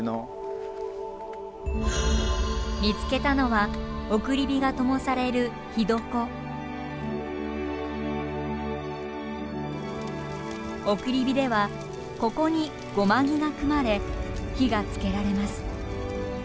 見つけたのは送り火がともされる送り火ではここに護摩木が組まれ火がつけられます。